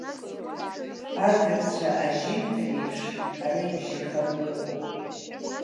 Агырцәа ажьымдыр еиԥш ара ибжьаханы иҟоуп.